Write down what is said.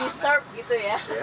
do not disturb gitu ya